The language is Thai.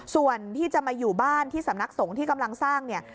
ส่วนที่จะมาอยู่บ้านที่สำนักสงฆ์ที่กำลังสร้างเนี่ย